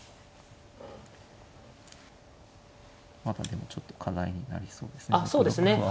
まだでもちょっと課題になりそうですね